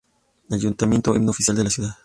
Ayuntamiento, Himno Oficial de la Ciudad.